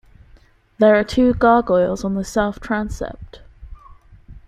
There are two gargoyles on the south transept.